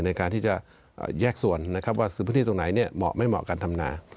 ในการที่จะแยกส่วนว่าพื้นที่ตรงไหนเหมาะไม่เหมาะกันธรรมนา